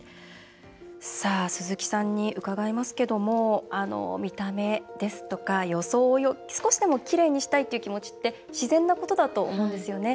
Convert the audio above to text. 鈴木さんに伺いますけども見た目ですとか、装いを少しでもきれいにしたいっていう気持ちって自然なことだと思うんですよね。